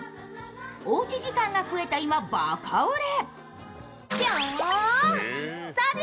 おうち時間が増えた今、バカ売れ。